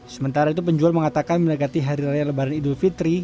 sementara itu penjual mengatakan mendekati hari raya lebaran idul fitri